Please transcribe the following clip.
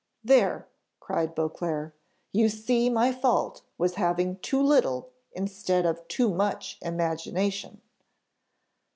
"There," cried Beauclerc, "you see my fault was having too little, instead of too much imagination."